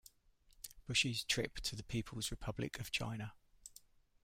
Bush's trip to the People's Republic of China.